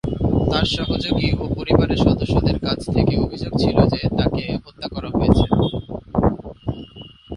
তার সহযোগী ও পরিবারের সদস্যদের কাছ থেকে অভিযোগ ছিল যে তাকে হত্যা করা হয়েছে।